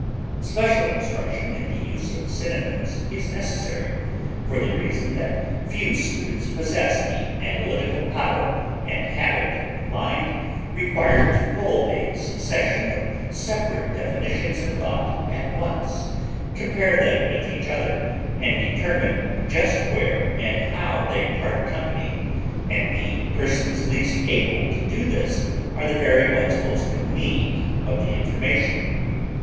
Special instruction in the use of synonyms is necessary, for the reason that few students possess the analytical power and habit of mind required to hold a succession of separate definitions in thought at once, compare them with each other, and determine just where and how they part company; and the persons least able to do this are the very ones most in need of the information.